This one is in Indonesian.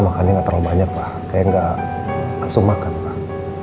makan yang terlalu banyak pak kayak nggak langsung makan pak